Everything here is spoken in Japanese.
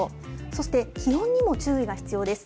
そして気温にも注意が必要です。